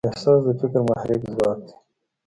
احساس د فکر محرک ځواک دی.